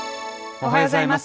おはようございます。